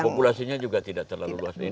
populasinya juga tidak terlalu luas ini